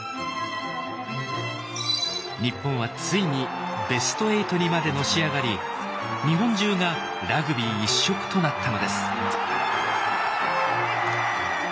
日本はついにベスト８にまでのし上がり日本中がラグビー一色となったのです。